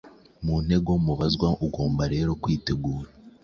intego mubazwa, ugomba rero kwitegura